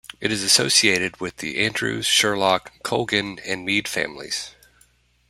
It is associated with the Andrews, Sherlock, Colgan and Meade families.